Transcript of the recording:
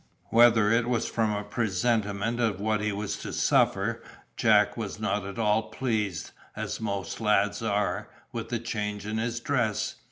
Whether it was from a presentiment of what he was to suffer, Jack was not at all pleased, as most lads are, with the change in his dress.